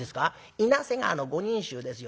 稲瀬川の五人衆ですよ。